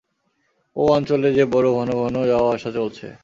ও অঞ্চলে যে বড়ো ঘন ঘন যাওয়া-আসা চলছে!